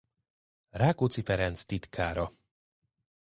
Rákóczi Ferenc titkára.